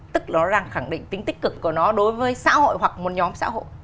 tức đó rằng khẳng định tính tích cực của nó đối với xã hội hoặc một nhóm xã hội